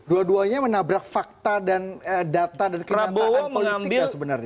dua duanya menabrak fakta dan data dan kenyataan politiknya sebenarnya